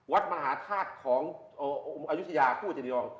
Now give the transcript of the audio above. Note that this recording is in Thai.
วัดมหาธาตุของอายุทยาคู่กับเจดีทอง